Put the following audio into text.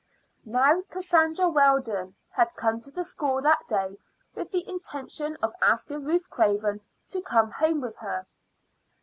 Now Cassandra Weldon had come to the school that day with the intention of asking Ruth Craven to come home with her.